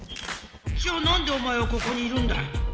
じゃあなんでおまえはここにいるんだい